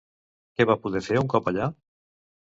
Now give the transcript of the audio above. Què va poder fer un cop allà?